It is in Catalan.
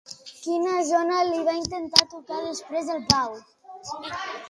Quina zona li va intentar tocar després en Pau?